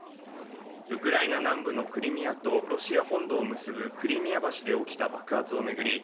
ウクライナ南部のクリミアとロシア本土を結ぶクリミア橋で起きた爆発を巡り